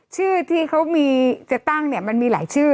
ชื่อที่เขามีจะตั้งเนี่ยมันมีหลายชื่อ